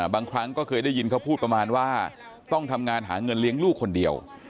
บางครั้งก็เคยได้ยินเขาพูดประมาณว่าต้องทำงานหาเงินเลี้ยงลูกคนเดียว